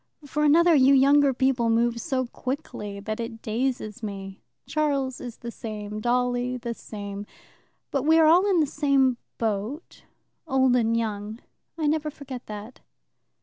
For another, you younger people move so quickly that it dazes me. Charles is the same, Dolly the same. But we are all in the same boat, old and young. I never forget that."